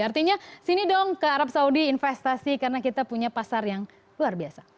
artinya sini dong ke arab saudi investasi karena kita punya pasar yang luar biasa